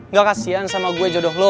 gak kasihan sama gue jodoh lu